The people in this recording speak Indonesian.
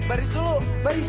baris dulu baris